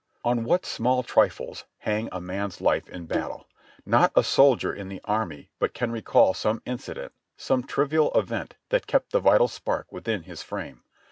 On what small trifles hang a man's life in battle ! Not a soldier in the army but can recall some incident, some trivial event that kept the vital spark within his frame.